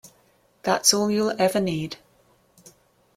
That's all you'll ever need.